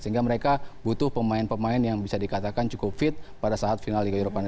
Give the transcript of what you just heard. sehingga mereka butuh pemain pemain yang bisa dikatakan cukup fit pada saat final liga eropa ini